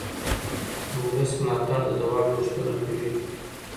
د ولس ملاتړ د دوام غوښتنه کوي